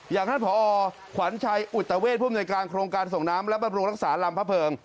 อย่างท่านผอขวัญชัยอุตเวศพ่วงในการโครงการส่งน้ำและประโปรกรักษารำพะเพิง